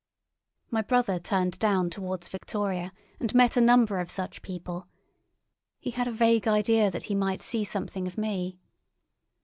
My brother turned down towards Victoria, and met a number of such people. He had a vague idea that he might see something of me.